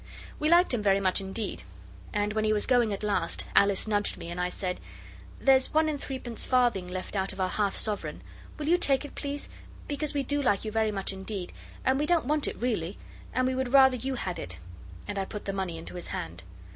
We liked him very much indeed, and when he was going at last, Alice nudged me, and I said 'There's one and threepence farthing left out of our half sovereign. Will you take it, please, because we do like you very much indeed, and we don't want it, really; and we would rather you had it.' And I put the money into his hand.